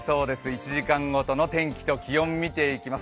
１時間ごとの天気と気温を見ていきます